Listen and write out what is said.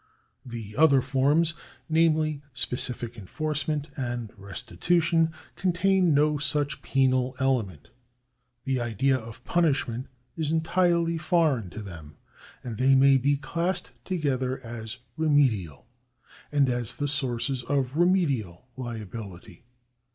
The other forms, namely specific enforcement and restitution, contain no such penal element ; the idea of punishment is entirely foreign to them ; and they may be classed together as remedial, and as the sources of remedial liability.